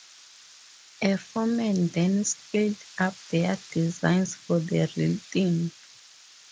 A foreman then scaled up their designs for the real thing.